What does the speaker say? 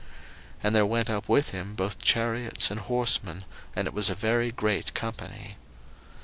01:050:009 And there went up with him both chariots and horsemen: and it was a very great company.